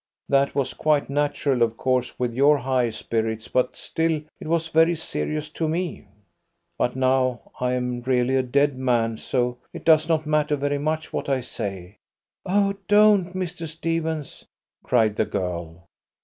That was quite natural of course with your high spirits, but still it was very serious to me. But now I am really a dead man, so it does not matter very much what I say." "Oh don't, Mr. Stephens!" cried the girl.